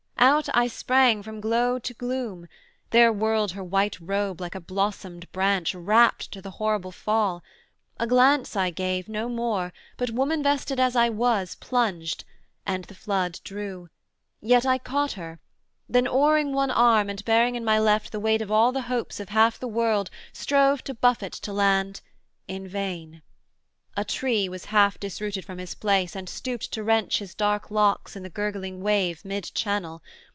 Out I sprang from glow to gloom: There whirled her white robe like a blossomed branch Rapt to the horrible fall: a glance I gave, No more; but woman vested as I was Plunged; and the flood drew; yet I caught her; then Oaring one arm, and bearing in my left The weight of all the hopes of half the world, Strove to buffet to land in vain. A tree Was half disrooted from his place and stooped To wrench his dark locks in the gurgling wave Mid channel.